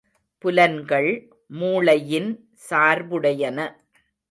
புலன்கள் மூளையின் சார்புடையன.